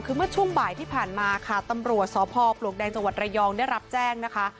คือเมื่อช่วงบ่ายที่ผ่านมาค่ะตำรวจสพปลวกแดงจังหวัดระยองได้รับแจ้งนะคะ